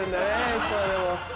いつまでも。